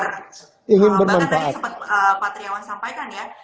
bahkan tadi sempat pak triawan sampaikan ya